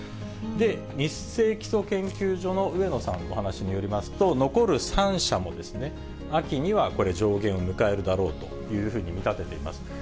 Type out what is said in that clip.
で、ニッセイ基礎研究所の上野さんのお話によりますと、残る３社も、秋にはこれ、上限を迎えるだろうというふうに見立てています。